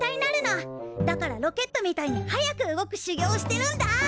だからロケットみたいに速く動く修行をしてるんだ！